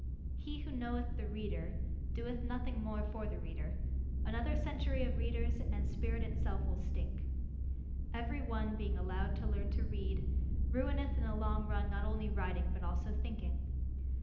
He who knoweth the reader, doeth nothing more for the reader. Another century of readers and spirit itself will stink. Every one being allowed to learn to read, ruineth in the long run not only writing but also thinking.